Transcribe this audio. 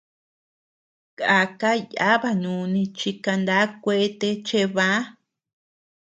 Kàka yàba núni chi kaná kuete cheʼebä.